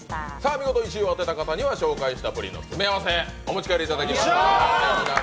見事１位を当てた方には紹介したプリンの詰め合わせをお持ち帰りいただきます